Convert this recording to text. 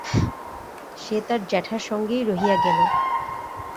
সে তার জ্যাঠার সঙ্গেই রহিয়া গেল।